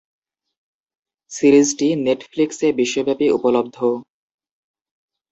সিরিজটি নেটফ্লিক্সে বিশ্বব্যাপী উপলব্ধ।